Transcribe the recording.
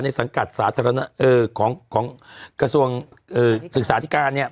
สังกัดสาธารณะของกระทรวงศึกษาธิการเนี่ย